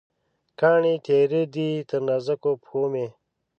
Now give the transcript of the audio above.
کاڼې تېره دي، تر نازکو پښومې